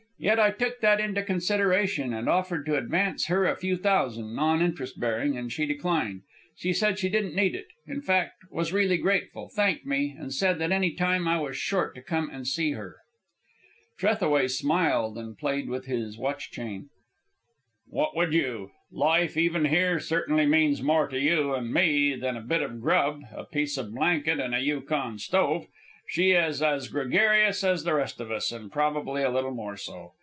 Yet I took that into consideration, and offered to advance her a few thousand, non interest bearing, and she declined. Said she didn't need it, in fact, was really grateful; thanked me, and said that any time I was short to come and see her." Trethaway smiled and played with his watch chain. "What would you? Life, even here, certainly means more to you and me than a bit of grub, a piece of blanket, and a Yukon stove. She is as gregarious as the rest of us, and probably a little more so.